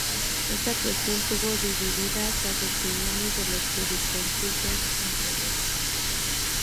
Esta cuestión tuvo divididas las opiniones de los jurisconsultos entre los romanos.